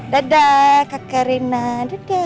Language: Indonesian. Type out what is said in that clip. dadah kakak rina dadah